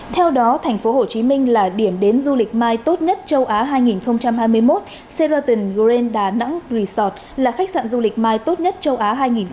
theo đó thành phố hồ chí minh là điểm đến du lịch mai tốt nhất châu á hai nghìn hai mươi một sheraton grand danang resort là khách sạn du lịch mai tốt nhất châu á hai nghìn hai mươi một